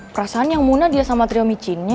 perasaan yang muna dia sama trio micinnya